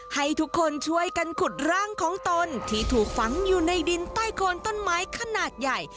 ให้ทุกคนช่วยกันขุดร่างของตนที่ถูกฝังอยู่ในดินใต้โคนต้นไม้ขนาดใหญ่